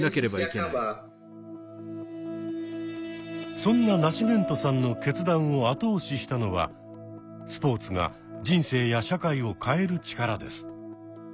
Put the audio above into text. そんなナシメントさんの決断を後押ししたのはスポーツが人生や社会を変える力です。